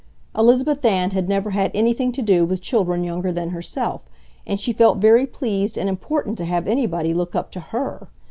Elizabeth Ann had never had anything to do with children younger than herself, and she felt very pleased and important to have anybody look up to HER!